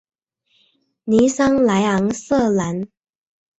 尼桑莱昂瑟兰。